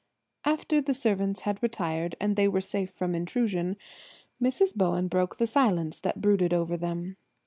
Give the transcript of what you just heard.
After the servants had retired and they were safe from intrusion Mrs. Bowen broke the silence that brooded over them.